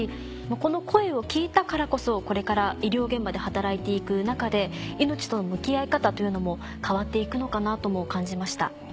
この声を聞いたからこそこれから医療現場で働いて行く中で命との向き合い方というのも変わって行くのかなとも感じました。